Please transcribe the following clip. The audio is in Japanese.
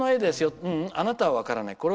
いいえ、あなたには分からない。